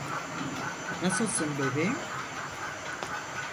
Nasılsın bebeğim?